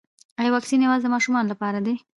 ایا واکسین یوازې د ماشومانو لپاره دی